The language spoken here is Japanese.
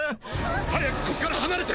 早くここから離れて！